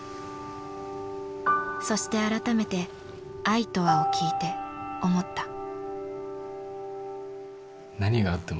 そして改めて「あいとわ」を聴いて思った。